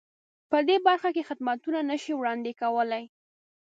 په دې برخه کې خدمتونه نه شي وړاندې کولای.